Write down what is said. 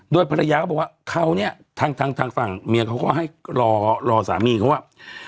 โดยภรรยาก็บอกว่าเขาเนี่ยทางฝั่งเมียเขาก็ให้รอสามีเขาว่า